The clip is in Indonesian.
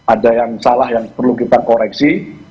ada yang salah yang perlu kita koreksi